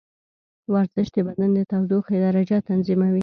ورزش د بدن د تودوخې درجه تنظیموي.